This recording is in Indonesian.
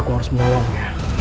aku harus mengawalnya